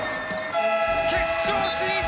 決勝進出